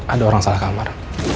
ada orang salah kamar